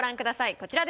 こちらです。